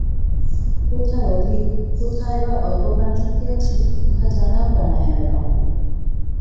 কোথায় অধিক, কোথায় বা অল্প প্রাণশক্তি আছে, ইহা জানাও প্রাণায়ামের অঙ্গ।